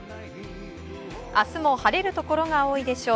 明日も晴れるところが多いでしょう。